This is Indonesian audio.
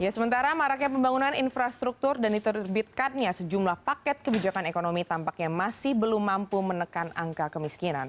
sementara maraknya pembangunan infrastruktur dan diterbitkannya sejumlah paket kebijakan ekonomi tampaknya masih belum mampu menekan angka kemiskinan